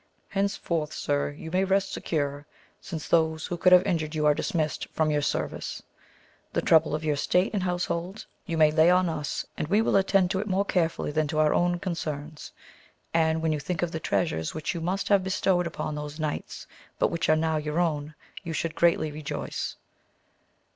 Henceforth sir you may rest secure since those who could have injured you are dismissed from your service ; the trouble of your state and household you AMADIS OF GAUL. 119 may lay on us and we will attend to it more carefully than to our own concerns, and when you think of the treasures which you must have bestowed upon those knights but which are now your own, you should greatly rejoice.